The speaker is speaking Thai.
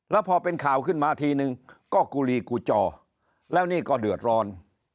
แล้วพอเป็นข่าวขึ้นมาทีนึงก็กุลีกูจอแล้วนี่ก็เดือดร้อน